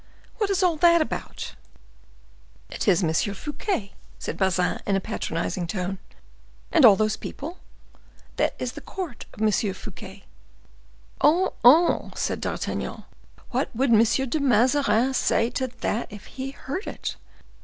"What is all that about?" "It is M. Fouquet," said Bazin, in a patronizing tone. "And all those people?" "That is the court of M. Fouquet." "Oh, oh!" said D'Artagnan; "what would M. de Mazarin say to that if he heard it?"